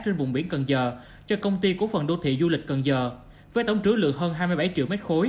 trên vùng biển cần giờ cho công ty cổ phần đô thị du lịch cần giờ với tổng trứ lượng hơn hai mươi bảy triệu m ba